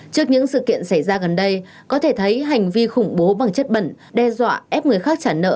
trước những sự kiện xảy ra gần đây có thể thấy hành vi khủng bố bằng chất bẩn đe dọa ép người khác trả nợ